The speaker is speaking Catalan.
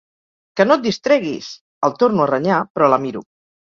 Que no et distreguis! —el torno a renyar, però la miro.